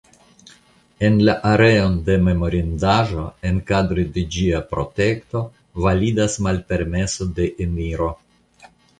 En la areon de la memorindaĵo enkadre de ĝia protekto validas malpermeso de eniro.